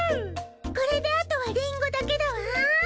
これであとはリンゴだけだわ！